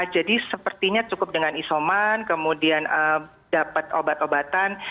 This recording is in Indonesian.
jadi sepertinya cukup dengan isoman kemudian dapat obat obatan